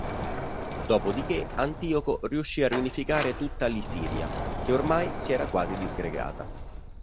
Dopodiché Antioco riuscì a riunificare tutta li Siria, che ormai si era quasi disgregata.